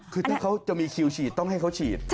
คือถ้าเขาจะมีคิวฉีดต้องให้เขาฉีด